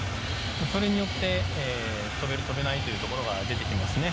それによって、跳べる、跳べないというところが出てきますね。